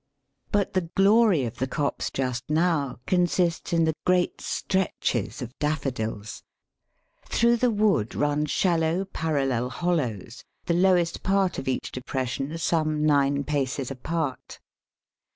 But the glory of the copse just now consists in the great stretches of Daffodils. Through the wood run shallow, parallel hollows, the lowest part of each depression some nine paces apart.